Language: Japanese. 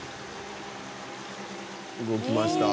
動きました。